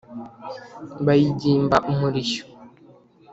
Bayigimba umurishyo